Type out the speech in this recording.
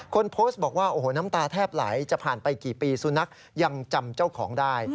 คนโพสต์บอกว่าโอ้โหน้ำตาแทบไหลจะผ่านไปกี่ปีสุนัขยังจำเจ้าของได้